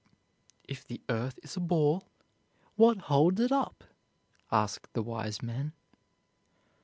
"If the earth is a ball, what holds it up?" asked the wise men.